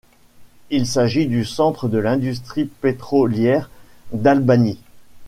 Il s'agit du centre de l'industrie pétrolière d'Albanie.